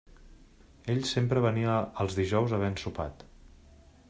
Ell sempre venia els dijous havent sopat.